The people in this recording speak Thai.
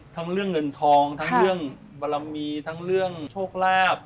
ทั้งเรื่องเงินทองทั้งเรื่องบารมีทั้งเรื่องโชคลาภ